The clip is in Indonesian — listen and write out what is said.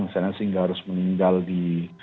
misalnya sehingga harus meninggal di